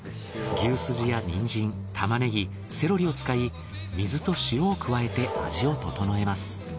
牛スジやニンジンタマネギセロリを使い水と塩を加えて味を調えます。